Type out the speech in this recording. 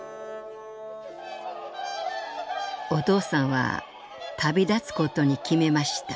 「お父さんは旅立つことに決めました。